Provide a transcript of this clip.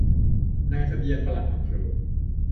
นายทะเบียนปลัดอำเภอ